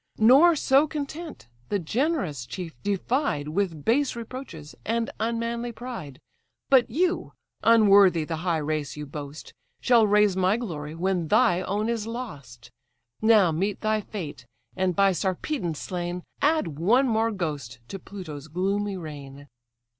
Nor so content, the generous chief defied, With base reproaches and unmanly pride. But you, unworthy the high race you boast, Shall raise my glory when thy own is lost: Now meet thy fate, and by Sarpedon slain, Add one more ghost to Pluto's gloomy reign."